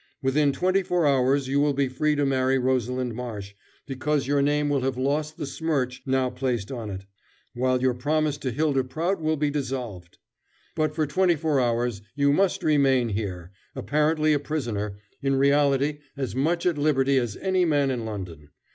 Within twenty four hours you will be free to marry Rosalind Marsh, because your name will have lost the smirch now placed on it, while your promise to Hylda Prout will be dissolved. But for twenty four hours you must remain here, apparently a prisoner, in reality as much at liberty as any man in London.